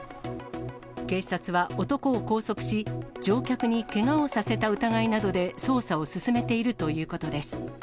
警察は男を拘束し、乗客にけがをさせた疑いなどで捜査を進めているということです。